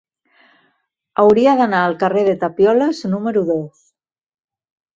Hauria d'anar al carrer de Tapioles número dos.